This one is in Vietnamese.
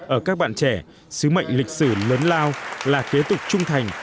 ở các bạn trẻ sứ mệnh lịch sử lớn lao là kế tục trung thành